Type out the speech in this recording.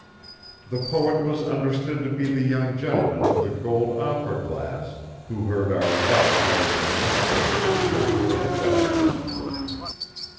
The poet was understood to be the young gentleman of the gold opera glass, who heard our laudatory remarks with the composure of a veteran.